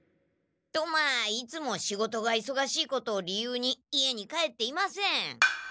とまあいつも仕事がいそがしいことを理由に家に帰っていません。